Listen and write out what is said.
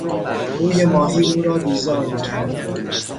بوی ماهی او را بیزار میکرد.